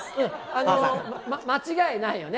間違いないよね。